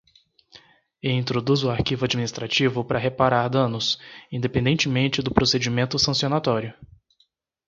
E introduz o arquivo administrativo para reparar danos, independentemente do procedimento sancionatório.